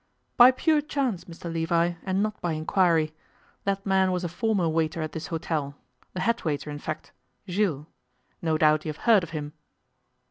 'By pure chance, Mr Levi, and not by inquiry. That man was a former waiter at this hotel the head waiter, in fact Jules. No doubt you have heard of him.